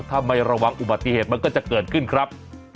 ถ้าไม่ระวังอุบัติเหตุมันก็จะเกิดขึ้นครับ